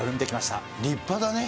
立派だね。